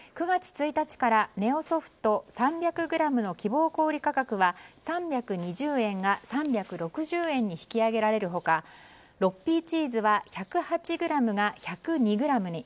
９月１日からネオソフト３００ｇの希望小売価格は３２０円が３６０円に引き上げられる他６Ｐチーズは１０８ｇが１０２ｇに。